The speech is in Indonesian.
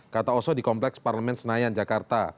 kata oso di kompleks parlemen senayan jakarta